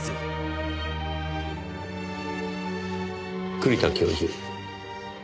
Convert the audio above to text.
栗田教授。